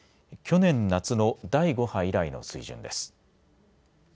去年夏の第５波以来の水準です。